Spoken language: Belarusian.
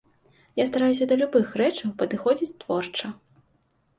Я стараюся да любых рэчаў падыходзіць творча.